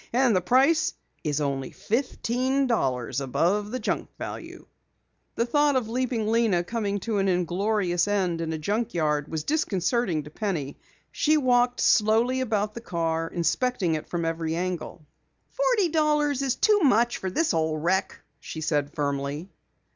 And the price is only fifteen dollars above the junk value." The thought of Leaping Lena coming to an inglorious end in a junk yard was disconcerting to Penny. She walked slowly about the car, inspecting it from every angle. "Forty dollars is too much for this old wreck," she said firmly.